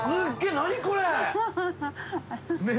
何これ？